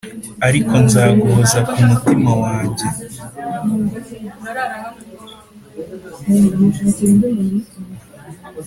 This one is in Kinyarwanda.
Ariko nzaguhoza kumutima wajye